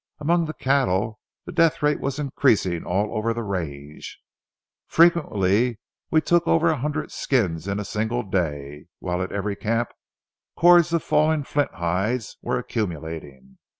Among the cattle, the death rate was increasing all over the range. Frequently we took over a hundred skins in a single day, while at every camp cords of fallen flint hides were accumulating.